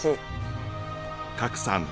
賀来さん